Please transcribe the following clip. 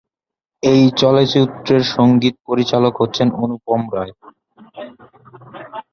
এই চলচ্চিত্রের সঙ্গীত পরিচালক হচ্ছেন অনুপম রায়।